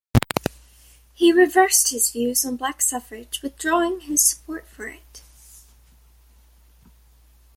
He reversed his views on black suffrage, withdrawing his support for it.